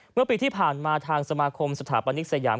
เมื่อปีที่ผ่านมาทางสมาคมสถาปนิกสยาม